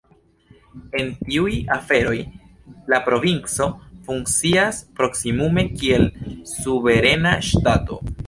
En tiuj aferoj la provinco funkcias proksimume kiel suverena ŝtato.